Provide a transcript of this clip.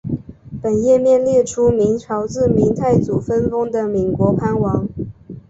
本页面列出明朝自明太祖分封的岷国藩王。